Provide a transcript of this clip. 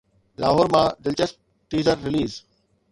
لاهور مان دلچسپ teaser release